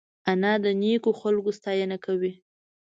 انا د نیکو خلکو ستاینه کوي